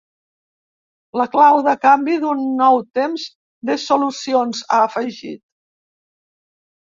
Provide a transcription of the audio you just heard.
La clau de canvi, d’un nou temps de solucions, ha afegit.